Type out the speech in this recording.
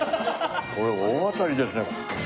これ大当たりですね。